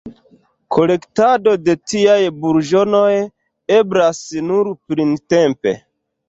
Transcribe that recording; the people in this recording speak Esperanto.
Kolektado de tiaj burĝonoj eblas nur printempe.